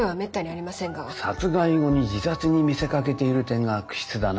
殺害後に自殺に見せかけている点が悪質だなあ。